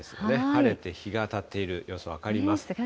晴れて日が当たっている様子、分かります。